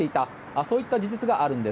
そういった事実があるんです。